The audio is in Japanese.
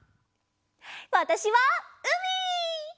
わたしはうみ！